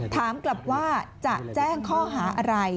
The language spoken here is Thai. ถามกลับว่าจะแจ้งข้อหาอะไร